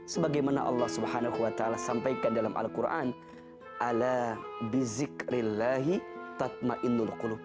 sebagaimana allah swt sampaikan dalam al quran